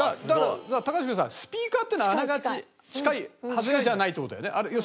だから高橋君さスピーカーっていうのはあながち近いハズレじゃないって事だよね。